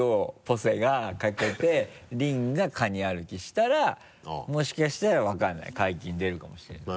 ポセがかけて凜がカニ歩きしたらもしかしたら分からない解禁でるかもしれない。